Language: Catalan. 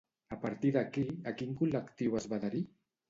A partir d'aquí, a quin col·lectiu es va adherir?